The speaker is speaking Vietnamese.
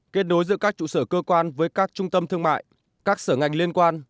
kết nối giữa các trụ sở cơ quan với các trung tâm thương mại các sở ngành liên quan